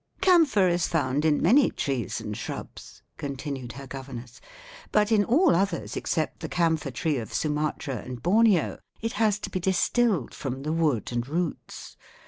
"Camphor is found in many trees and shrubs," continued her governess, "but in all others except the camphor tree of Sumatra and Borneo it has to be distilled from the wood and roots.